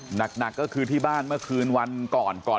หนักก็คือที่บ้านเมื่อคืนวันก่อนก่อน